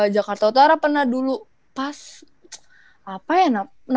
jakarta utara pernah dulu pas apa ya